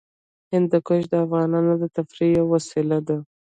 هندوکش د افغانانو د تفریح یوه وسیله ده.